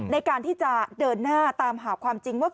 ในการที่จะเดินหน้าตามหาความจริงว่า